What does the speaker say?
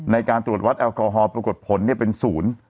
ในการตรวจวัดแอลกอฮอลปรากฏผลเป็นศูนย์